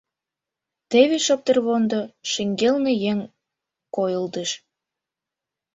Теве шоптырвондо шеҥгелне еҥ койылдыш.